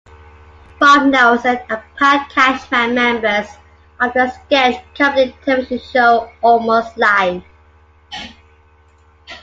Bob Nelson and Pat Cashman, members of the sketch comedy television show Almost Live!